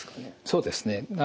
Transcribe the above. そうですね。